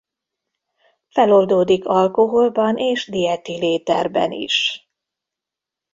Feloldódik alkoholban és dietil-éterben is.